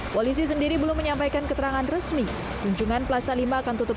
kalau pagi ini memang saya baru dapat pengumuman tadi dari pihak kantor